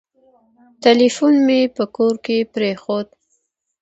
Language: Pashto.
ټلیفون مي په کور کي پرېښود .